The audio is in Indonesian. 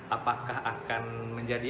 apakah akan menjadi